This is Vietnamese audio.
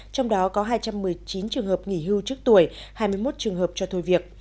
trong đó có hai trăm một mươi chín trường hợp nghỉ hưu trước tuổi hai mươi một trường hợp cho thôi việc